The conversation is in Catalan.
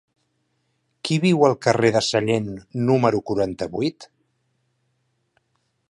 Qui viu al carrer de Sallent número quaranta-vuit?